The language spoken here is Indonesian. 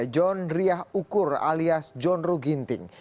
john riah ukur alias john ruh ginting